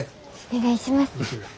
お願いします。